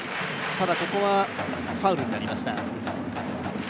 ただここはファウルになりました。